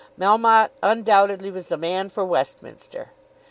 Melmotte undoubtedly was the man for Westminster.